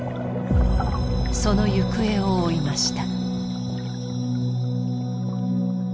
その行方を追いました。